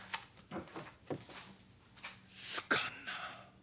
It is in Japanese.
好かんな。